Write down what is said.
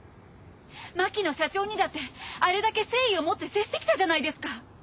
牧野社長にだってあれだけ誠意をもって接してきたじゃないですか！